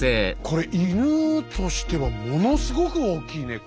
これ犬としてはものすごく大きいね。